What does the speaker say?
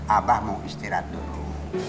abah mau istirahat dulu